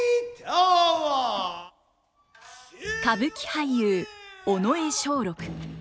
歌舞伎俳優尾上松緑。